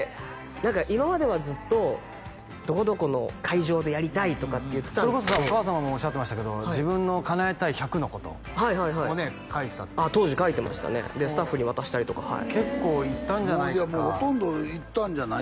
何か今まではずっと「どこどこの会場でやりたい」とかって言ってたんですけどそれこそさお母様もおっしゃってましたけど自分のかなえたい１００のことをね書いてたって当時書いてましたねでスタッフに渡したりとか結構いったんじゃないほとんどいったんじゃない？